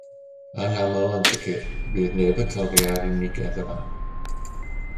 Anaml, yn sicr, y bydd neb yn torri ar unigedd y fan.